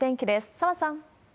澤さん。